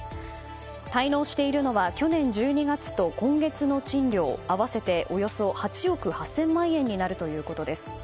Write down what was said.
滞納しているのは去年１２月と今月の賃料合わせておよそ８億８０００万円になるということです。